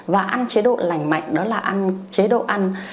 và ăn chế độ lành mạnh đó là ăn chế độ ăn